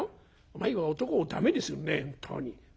お前は男を駄目にするね本当に。